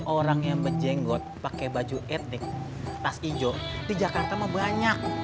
orang yang bejenggot pake baju etik tas ijo di jakarta mah banyak